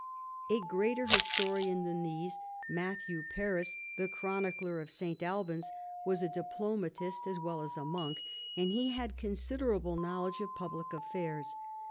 A greater historian than these, Matthew Paris, the chronicler of S. Alban's, was a diplomatist as well as a monk, and he had considerable knowledge of public affairs.